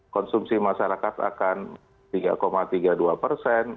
konsumsi masyarakat akan tiga tiga puluh dua persen